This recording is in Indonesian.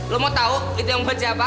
lo mau tau gitu yang buat siapa